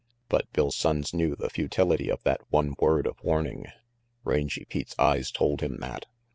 But Bill Sonnes knew the futility of that one word of warning. Rangy Pete's eyes told him that.